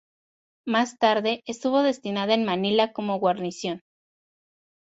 Más tarde estuvo destinada en Manila como guarnición.